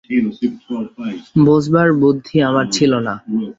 বোঝবার বুদ্ধি আমার ছিল না।